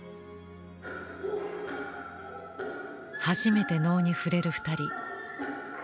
初めて能に触れる２人。